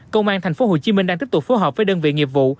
công an tp hcm đang tiếp tục phối hợp với đơn vị nghiệp vụ